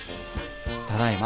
ただいま。